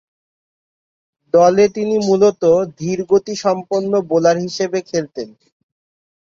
দলে তিনি মূলতঃ ধীরগতিসম্পন্ন বোলার হিসেবে খেলতেন।